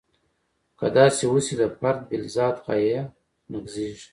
که داسې وشي د فرد بالذات غایه نقضیږي.